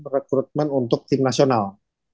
recruitment untuk tim nasional